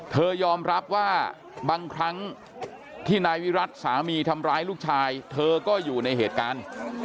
เธอยอมรับว่าบางครั้งที่นายวิรัติสามีทำร้ายลูกชายเธอก็อยู่ในเหตุการณ์